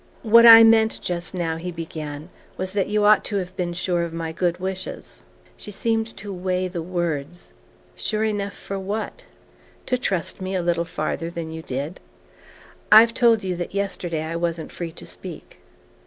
"What I meant just now," he began, "was that you ought to have been sure of my good wishes." She seemed to weigh the words. "Sure enough for what?" "To trust me a little farther than you did." "I've told you that yesterday I wasn't free to speak."